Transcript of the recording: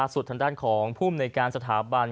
ส่วนทางด้านของภูมิในการสถาบัน